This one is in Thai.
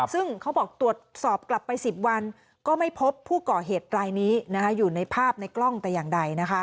ซึ่งเขาบอกตรวจสอบกลับไป๑๐วันก็ไม่พบผู้ก่อเหตุรายนี้อยู่ในภาพในกล้องแต่อย่างใด